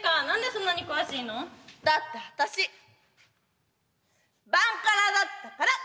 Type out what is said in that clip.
だって私バンカラだったから。